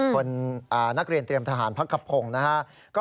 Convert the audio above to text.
คนนักเรียนเตรียมทหารพักกับพงศ์